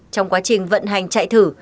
trong quá trình vận hành chạy thử